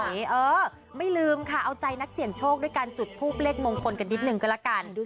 เออไม่ลืมค่ะเอาใจนักเสี่ยงโชคด้วยการจุดทูบเลขมงคลกันนิดนึงก็ละกันดูสิ